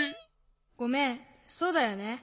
ごめんそうだよね。